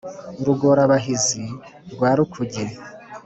rugora-bahizi rwa rukuge